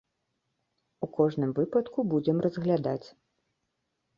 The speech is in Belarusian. У кожным выпадку будзем разглядаць.